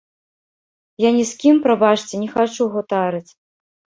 Я ні з кім, прабачце, не хачу гутарыць.